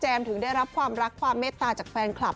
ถึงได้รับความรักความเมตตาจากแฟนคลับ